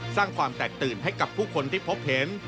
สร้างความแตกตื่นให้กับผู้คนที่พบเห็น